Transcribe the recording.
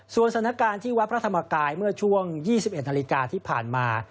สถานการณ์ที่วัดพระธรรมกายเมื่อช่วง๒๑นาฬิกาที่ผ่านมา